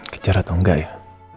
kejar atau enggak ya